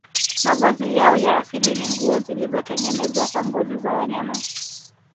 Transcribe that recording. Mavazi yao ya asili ni nguo zilizotengenezwa kwa ngozi za wanyama